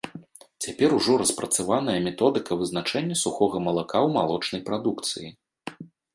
Цяпер ужо распрацаваная методыка вызначэння сухога малака ў малочнай прадукцыі.